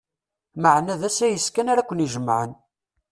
Maɛna d asayes kan ara ken-ijemɛen.